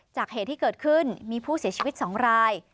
เหตุที่เกิดขึ้นมีผู้เสียชีวิต๒ราย